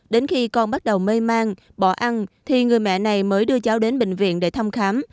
đến khi con bắt đầu mê mang bỏ ăn thì người mẹ này mới đưa cháu đến bệnh viện để thăm khám